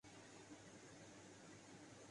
یہاں بھی اعتراض بہت سادہ ہے۔